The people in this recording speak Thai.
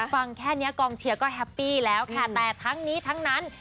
ฟังแค่นี้กองเชียร์ก็แฮปปี้แล้วค่ะแต่ทั้งนี้ทั้งนั้น